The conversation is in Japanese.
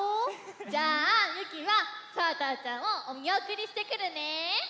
じゃあゆきはさぁたぁちゃんをおみおくりしてくるね。